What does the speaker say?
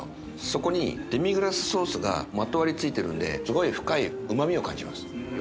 そこにデミグラスソースがまとわりついてるんですごい深い旨みを感じます